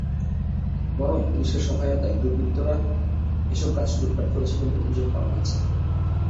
বরং পুলিশের সহায়তায় দুর্বৃত্তরা এসব গাছ লুটপাট করেছে বলে অভিযোগ পাওয়া গেছে।